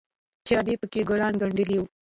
چې ادې پکښې ګلان گنډلي وو.